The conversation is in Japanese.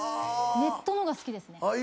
ネットの方が好きですね。